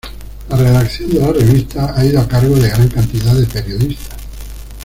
La redacción de la revista ha ido a cargo de gran cantidad de periodistas.